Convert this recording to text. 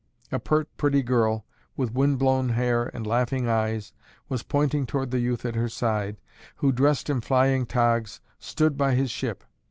A pert, pretty girl with windblown hair and laughing eyes was pointing toward the youth at her side, who, dressed in flying togs, stood by his ship.